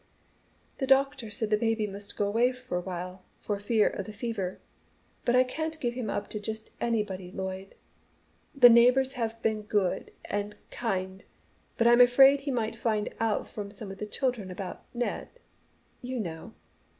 "The doctor said the baby must go away for awhile, for fear of the fever. But I can't give him up to just anybody, Lloyd. The neighbours have been good and kind, but I'm afraid he might find out from some of the children about Ned you know.